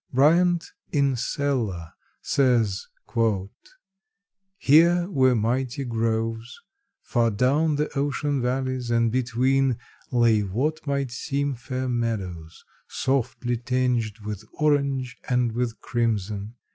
Bryant, in Sella says: "Here were mighty groves Far down the ocean valleys, and between Lay what might seem fair meadows, softly tinged With orange and with crimson.